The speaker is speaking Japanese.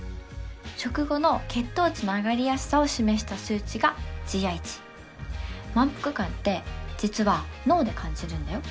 食後の血糖値の上がりやすさを示した数値がＧＩ値満腹感って実は脳で感じるんだよ